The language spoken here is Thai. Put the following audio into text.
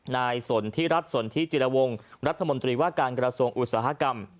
สนทิรัฐสนทิจิรวงรัฐมนตรีว่าการกระทรวงอุตสาหกรรม